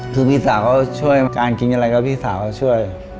คือพี่สาวเขาช่วยมาการกินอะไรกับพี่สาวเขาช่วย